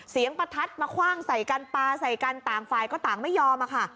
ประทัดมาคว่างใส่กันปลาใส่กันต่างฝ่ายก็ต่างไม่ยอมอะค่ะ